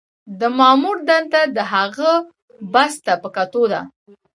د مامور دنده د هغه بست ته په کتو ده.